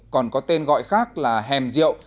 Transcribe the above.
còn có tên gọi khác là hèm rượu